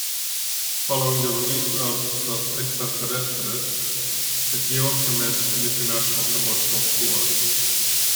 Following the release of "Los Extraterrestres" the duo commenced an international promotional tour.